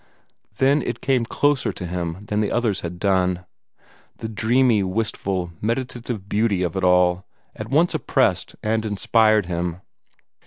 Then it came closer to him than the others had done. The dreamy, wistful, meditative beauty of it all at once oppressed and inspired him.